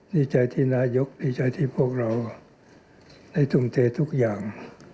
ดีใจที่นายกดีใจที่พวกเราได้ทุ่มเททุกอย่าง